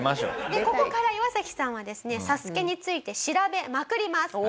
ここからイワサキさんはですね『ＳＡＳＵＫＥ』について調べまくります。